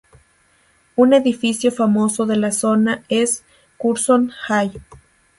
Un edificio famoso de la zona es Curzon Hall.